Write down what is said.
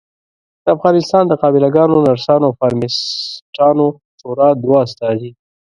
د افغانستان د قابلګانو ، نرسانو او فارمیسټانو شورا دوه استازي